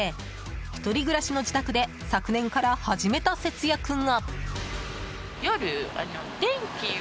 １人暮らしの自宅で昨年から始めた節約が。